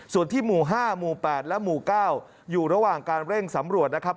ส่วนที่หมู่๕หมู่๘และหมู่๙อยู่ระหว่างการเร่งสำรวจนะครับ